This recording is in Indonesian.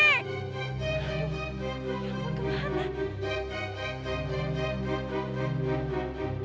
yang pun kemana